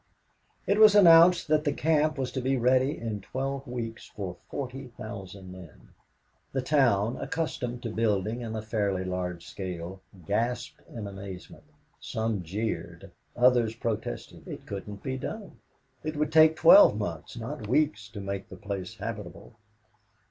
It was announced that the camp was to be ready in twelve weeks for 40,000 men. The town, accustomed to building in a fairly large scale, gasped in amazement. Some jeered, others protested. It couldn't be done. It would take twelve months, not weeks, to make the place habitable.